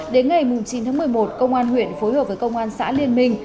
đến ngày chín tháng một mươi một công an huyện phối hợp với công an xã liên minh